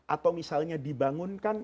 atau misalnya dibangunkan